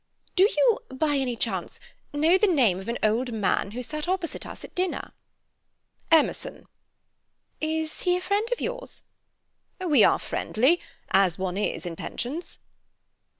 "Do you, by any chance, know the name of an old man who sat opposite us at dinner?" "Emerson." "Is he a friend of yours?" "We are friendly—as one is in pensions."